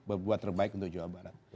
berbuat terbaik untuk jawa barat